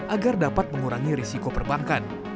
agar dapat mengurangi risiko perbankan